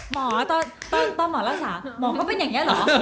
หมอตอนหมอรักษาหมอก็เป็นอย่างนี้เหรอ